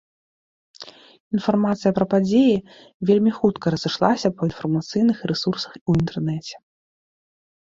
Інфармацыя пра падзеі вельмі хутка разышлася па інфармацыйных рэсурсах у інтэрнэце.